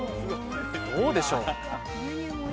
どうでしょう。